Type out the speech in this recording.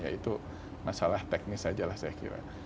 ya itu masalah teknis sajalah saya kira